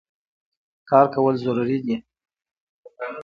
کار کول ضروري دی.